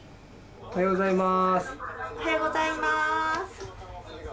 おはようございます。